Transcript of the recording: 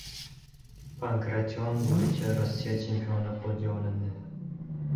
Pankration bo‘yicha Rossiya chempioni qo‘lga olindi